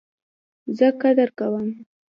زه قدر کوم